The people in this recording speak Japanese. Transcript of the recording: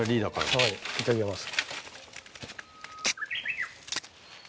はいいただきます。